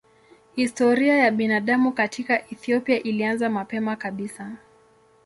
Historia ya binadamu katika Ethiopia ilianza mapema kabisa.